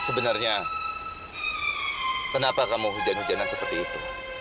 sebenarnya kenapa kamu hujan hujanan seperti itu